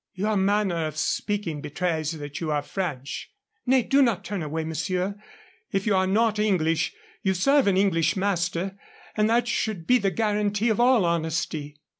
"Your manner of speaking betrays that you are French. Nay, do not turn away, monsieur. If you are not English, you serve an English master, and that should be the guarantee of all honesty."